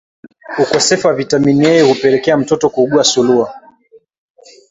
ukosefu wa vitamini A hupelekea mtoto kuugua surua